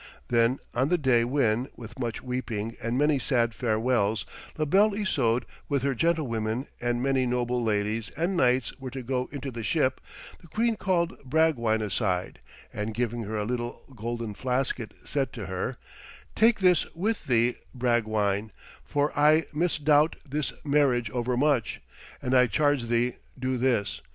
Then, on the day when, with much weeping and many sad farewells, La Belle Isoude with her gentlewomen and many noble ladies and knights were to go into the ship, the queen called Bragwine aside, and giving her a little golden flasket, said to her: 'Take this with thee, Bragwine, for I misdoubt this marriage overmuch, and I charge thee do this.